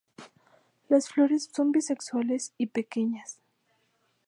Las flores son bisexuales y pequeñas.